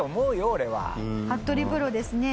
服部プロですね